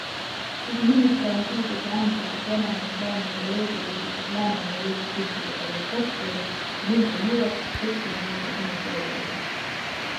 Kuigi mingit garantiid ei saa anda, et Venemaa ei plaani enda löögirusikat Läänemere riikide peal kasutada, on üldine hoiak, et õppus ei muuda tänast olukorda.